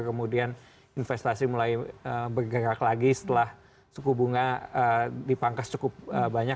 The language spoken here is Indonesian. kemudian investasi mulai bergerak lagi setelah suku bunga dipangkas cukup banyak